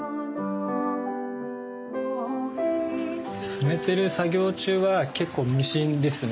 染めてる作業中は結構無心ですね。